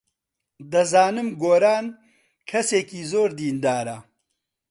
دەزانم گۆران کەسێکی زۆر دیندارە.